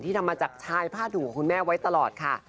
ทำมาจากชายผ้าถุงของคุณแม่ไว้ตลอดค่ะ